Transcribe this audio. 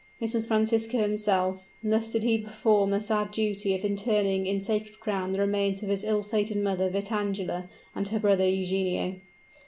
This was Francisco himself; and thus did he perform the sad duty of interring in sacred ground the remains of his ill fated mother Vitangela and her brother Eugenio.